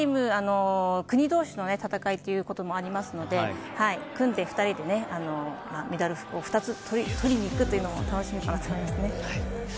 国同士の戦いもありますので、組んで２人でメダルを２つ取りに行くというのも楽しみです。